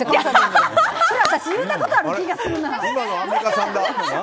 私言うたことある気がするな！